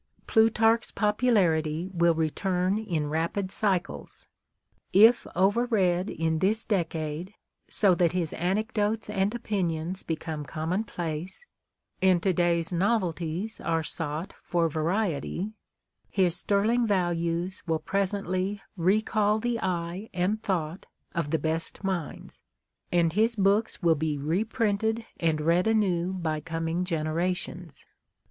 Plutarch's popularity will return in rapid cycles. If over read ill this decade, so that his anecdotes and opinions become com tiionplace, and to day's novelties are sought for variety, his sterling values will presently recall the eye and thought of the best minds, and his books will be reprinted and read anew by coming generations.